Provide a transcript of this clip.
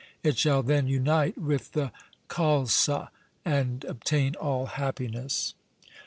It shall then unite with the Khalsa and obtain all happiness.'